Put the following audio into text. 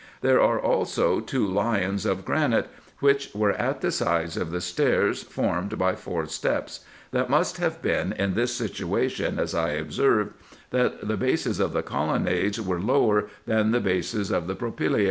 There are also two lions, of granite, which were at the sides of the stairs formed by four steps, that must have been in this situation, as I observed, that the bases of the colonnades are lower than the bases of the propyla?